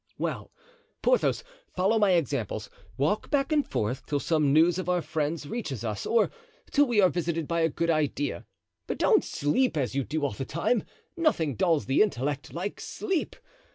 "Well, Porthos, follow my examples; walk back and forth till some news of our friends reaches us or till we are visited by a good idea. But don't sleep as you do all the time; nothing dulls the intellect like sleep.